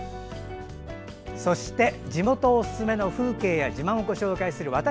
そして、地元のおすすめの風景や自慢をご紹介する「＃